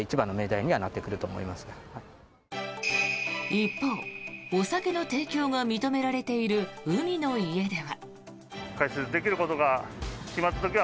一方、お酒の提供が認められている海の家では。